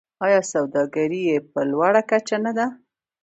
آیا سوداګري یې په لوړه کچه نه ده؟